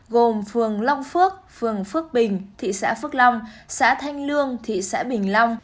gồm phường long phước phường phước bình thị xã phước long xã thanh lương thị xã bình long